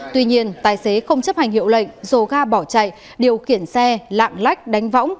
tuy nhiên tài xế không chấp hành hiệu lệnh dồ ga bỏ chạy điều khiển xe lạng lách đánh võng